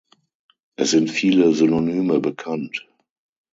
Es sind viele Synonyme bekannt.